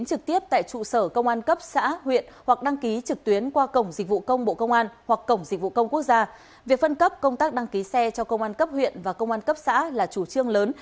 việc phân cấp công tác đăng ký xe cho công an cấp huyện và công an cấp xã là chủ trương lớn